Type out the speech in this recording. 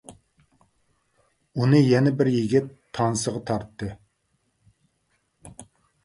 ئۇنى يەنە بىر يىگىت تانسىغا تارتتى.